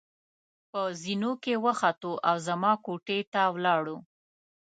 په زېنو کې وختو او زما کوټې ته ولاړو.